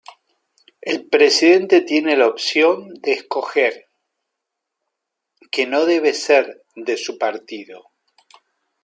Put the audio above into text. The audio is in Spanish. El presidente tiene la opción de escoger, que no debe ser de su partido.